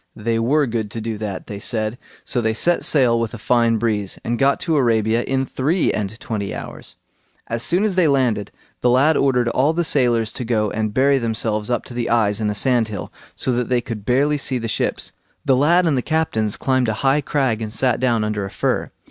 they were good to do that, they said, so they set sail with a fine breeze, and got to Arabia in three and twenty hours. As soon as they landed, the lad ordered all the sailors to go and bury themselves up to the eyes in a sandhill, so that they could barely see the ships. The lad and the captains climbed a high crag and sate down under a fir.